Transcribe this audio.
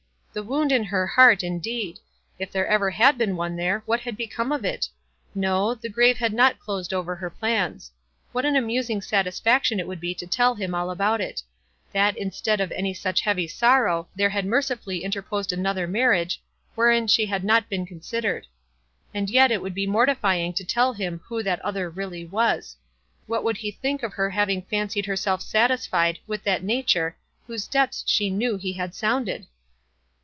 "The wound in hei heart, indeed ! If there ever had been one there, what had become of it? No, 'the grave had not closed over her plans.' What an amus ing satisfaction it would be to tell him all about it ; that, instead of any such heavy sorrow, there had mercifully interposed another marriage, WISE AND OTHERWISE. 147 wherein she had not been considered ; and yet it would be mortifying to tell him who that other really was. What would he think of her hav ing fancied herself satisfied with that nature whose depths she knew he had sounded